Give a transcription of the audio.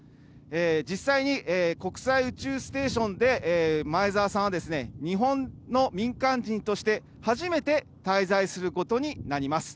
実際に国際宇宙ステーションで前澤さんは日本の民間人として初めて滞在することになります。